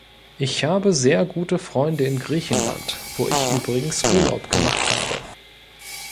Ich habe sehr gute Freunde in Griechenland, wo ich übrigens Urlaub gemacht habe.